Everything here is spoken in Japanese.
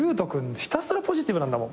ひたすらポジティブなんだもん。